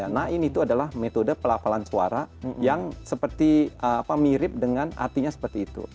na'in itu adalah metode pelapalan suara yang mirip dengan artinya seperti itu